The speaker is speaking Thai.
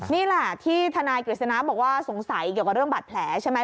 นี่ล่ะที่ทนายเกรียดศิษย์นะบอกว่าสงสัยกันกับเรื่องบัตรแผลใช่ไหม